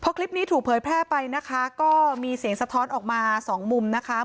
คลิปนี้ถูกเผยแพร่ไปนะคะก็มีเสียงสะท้อนออกมาสองมุมนะคะ